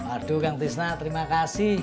aduh kang tisna terima kasih